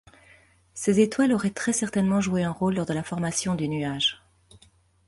Ces étoiles auraient très certainement joué un rôle lors de la formation du nuage.